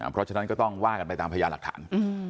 เพราะฉะนั้นก็ต้องว่ากันไปตามพยานหลักฐาน